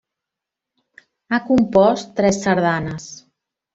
Ha compost tres sardanes.